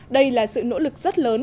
đây là sự nỗ lực rất lớn